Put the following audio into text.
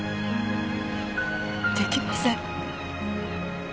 できません。